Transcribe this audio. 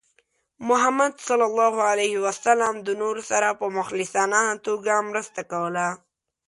محمد صلى الله عليه وسلم د نورو سره په مخلصانه توګه مرسته کوله.